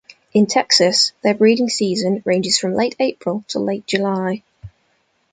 In Texas, their breeding season ranges from late April to late July.